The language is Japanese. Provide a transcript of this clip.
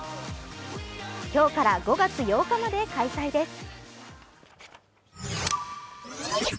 今日から５月８日まで開催です。